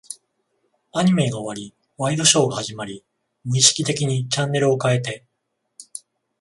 アニメが終わり、ワイドショーが始まり、無意識的にチャンネルを変えて、